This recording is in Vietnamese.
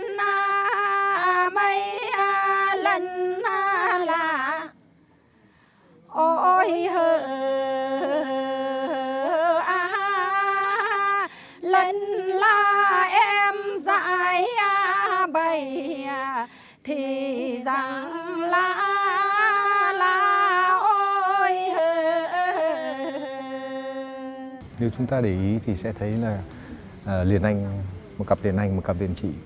nếu chúng ta để ý thì sẽ thấy là liền anh một cặp liền anh một cặp liền chị